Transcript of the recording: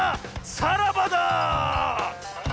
さらばだ！